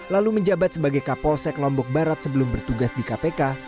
lalu menjabat sebagai kapolsek lombok barat sebelum bertugas di kpk